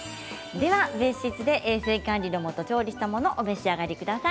別室で衛生管理のもと調理したものをお召し上がりください。